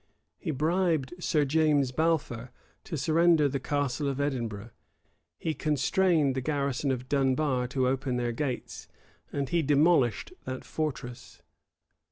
He bribed Sir James Balfour to surrender the Castle of Edinburgh: he constrained the garrison of Dunbar to open their gates; and he demolished that fortress.